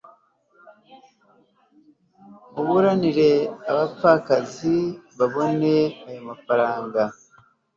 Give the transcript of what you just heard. muburanire abapfakazibabone ayo mafaranga